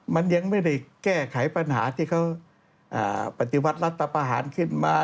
มันยังไม่ได้แก้ไขปัญหาที่เขาปฏิวัติรัฐประหารขึ้นมา